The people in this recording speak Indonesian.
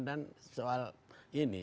dan soal ini